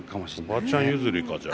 おばあちゃん譲りかじゃあ。